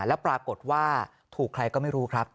แล้วปรากฏว่าถูกใครก็ไม่รู้ครับ